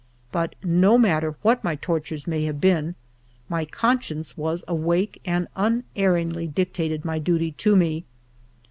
But no matter what my tor tures may have been, my conscience was awake and unerringly dictated my duty to me.